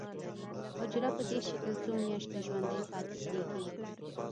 حجره په دې شکل څو میاشتې ژوندی پاتې کیږي.